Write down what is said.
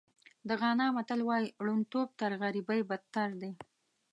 د غانا متل وایي ړوندتوب تر غریبۍ بدتر دی.